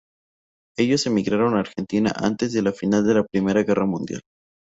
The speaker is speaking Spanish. Ellos emigraron a la Argentina antes del final de la Primera Guerra Mundial.